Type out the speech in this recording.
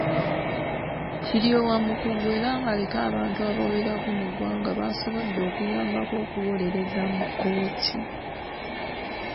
Kiryowa mukugu era ng’aliko abantu abawerako mu ggwanga b’asobodde okuyambako okuwolereza mu kkooti.